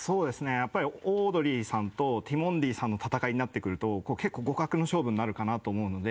やっぱりオードリーさんとティモンディさんの戦いになってくると結構互角の勝負になるかなと思うので。